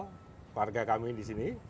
keluarga kami disini